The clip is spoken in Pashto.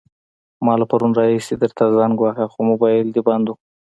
ما له پرون راهيسې درته زنګ وهلو، خو موبايل دې بند وو.